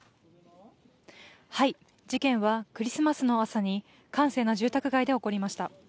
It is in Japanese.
事件はクリスマスの朝に閑静な住宅街で起こりました。